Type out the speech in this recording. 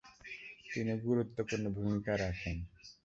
তিনি গুরুত্বপূর্ণ ভূমিকা রাখেন।